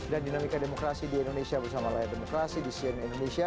dan dinamika demokrasi di indonesia bersama layar demokrasi di siena indonesia